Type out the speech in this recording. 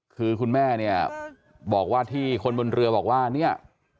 คือคุณแม่เนี่ยบอกว่าที่คนบนเรือบอกว่าเนี่ย